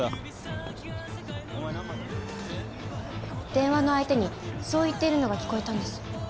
電話の相手にそう言っているのが聞こえたんです。